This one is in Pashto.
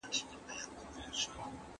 درې عددونه دي.